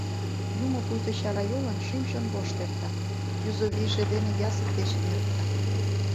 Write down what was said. Юмо пуйто чарайолын шӱм-чон вошт эрта, Юзо вийже дене язык дечын эрыкта.